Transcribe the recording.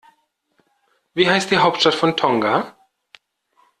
Wie heißt die Hauptstadt von Tonga?